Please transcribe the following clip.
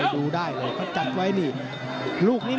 ส่วนคู่ต่อไปของกาวสีมือเจ้าระเข้ยวนะครับขอบคุณด้วย